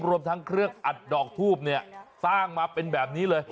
รวมทั้งเครื่องอัดดอกทูบเนี่ยสร้างมาเป็นแบบนี้เลย